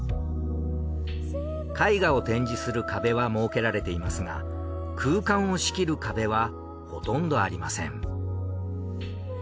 絵画を展示する壁は設けられていますが空間を仕切る壁はほとんどありません。